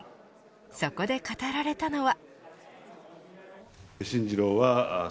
そこで語られたのは。